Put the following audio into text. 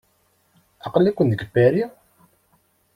Aql-iken deg Paris?